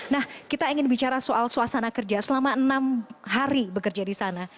nah kita ingin bicara soal suasana kerja selama enam hari bekerja di sana